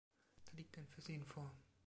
Da liegt ein Versehen vor.